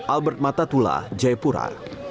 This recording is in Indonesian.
albert matatula jaipura